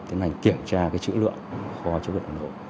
tiến hành kiểm tra cái chữ lượng của kho chứa vật lộ